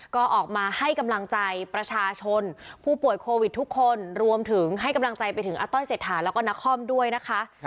ก็ออกมาให้กำลังใจประชาชนผู้ป่วยโควิดทุกคนรวมถึงให้กำลังใจไปถึงอาต้อยเศรษฐาแล้วก็นักคอมด้วยนะคะ